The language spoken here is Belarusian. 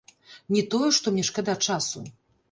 Не тое, што мне шкада часу.